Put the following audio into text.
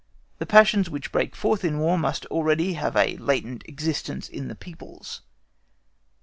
The passions which break forth in War must already have a latent existence in the peoples.